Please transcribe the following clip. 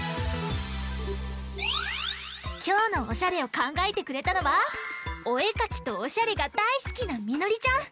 きょうのおしゃれをかんがえてくれたのはおえかきとおしゃれがだいすきなみのりちゃん。